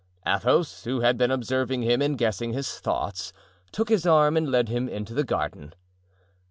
Athos, who had been observing him and guessing his thoughts, took his arm and led him into the garden.